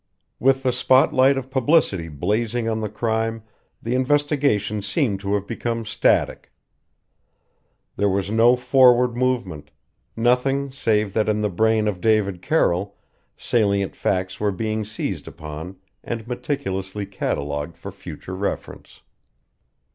With the spot light of publicity blazing on the crime, the investigation seemed to have become static. There was no forward movement; nothing save that in the brain of David Carroll salient facts were being seized upon and meticulously catalogued for future reference.